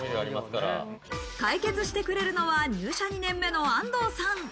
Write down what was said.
解決してくれるのは、入社２年目の安藤さん。